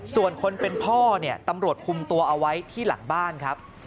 ส่วนคนเป็นพ่อเนี่ยตำรวจคุมตัวเอาไว้ที่หลังบ้านครับ